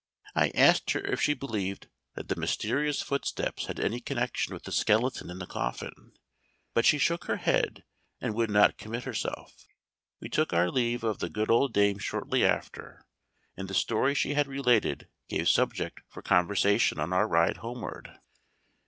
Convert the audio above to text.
I asked her if she believed that the mysterious footsteps had any connection with the skeleton in the coffin; but she shook her head, and would not commit herself. We took our leave of the good old dame shortly after, and the story she had related gave subject for conversation on our ride homeward.